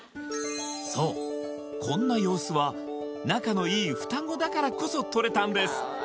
そうこんな様子は仲のいいふたごだからこそ撮れたんです